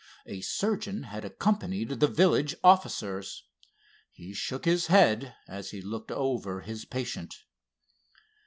A surgeon had accompanied the village officers. He shook his head as he looked over his patient.